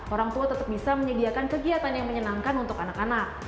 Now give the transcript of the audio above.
orang tua tetap bisa menyediakan kegiatan yang menyenangkan untuk anak anak